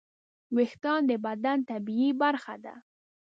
وېښتيان د بدن طبیعي برخه ده.